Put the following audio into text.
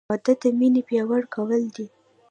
• واده د مینې پیاوړی کول دي.